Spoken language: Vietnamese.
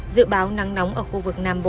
dự báo nắng nóng ở khu vực nam bộ